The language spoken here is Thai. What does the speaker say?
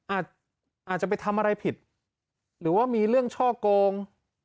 อาจจะไปทำอะไรผิดหรือว่ามีเรื่องช่อโกง